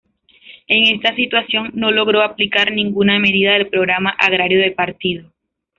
En esta situación, no logró aplicar ninguna medida del programa agrario del partido.